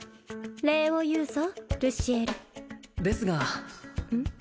礼を言うぞルシエルですがうん？